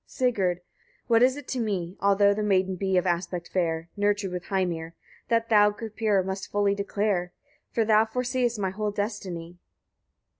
Sigurd. 28. What is it to me, although the maiden be of aspect fair? nurtured with Heimir? That thou, Gripir! must fully declare; for thou foreseest my whole destiny.